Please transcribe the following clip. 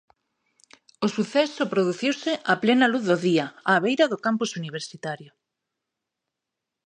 O suceso produciuse a plena luz do día á beira do campus universitario.